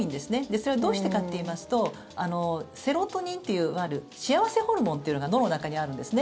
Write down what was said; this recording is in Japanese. それは、どうしてかといいますとセロトニンといういわゆる幸せホルモンというのが脳の中にあるんですね。